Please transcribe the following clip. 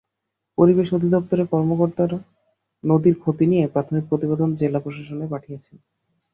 পরিবেশ অধিদপ্তরের কর্মকর্তারা নদীর ক্ষতি নিয়ে প্রাথমিক প্রতিবেদন জেলা প্রশাসনে পাঠিয়েছেন।